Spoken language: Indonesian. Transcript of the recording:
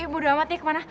eh bodo amat ya kemana